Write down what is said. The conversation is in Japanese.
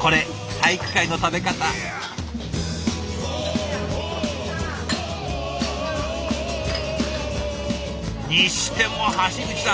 これ体育会の食べ方。にしても橋口さん